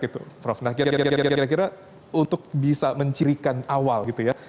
kira kira untuk bisa mencirikan awal